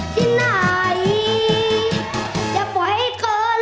ที่หน่ายอย่าปล่อยเกินร้อยนู่น